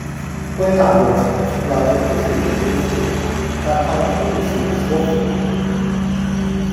归纳论证从来就不是有约束力的但它们可以是有说服力的。